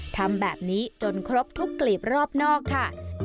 ทำแบบนี้จนครบทุกกลีบรอบนอกค่ะ